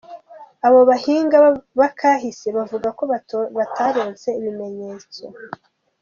Abo bahinga b'akahise, bavuga ko bataronse ibimenyetso .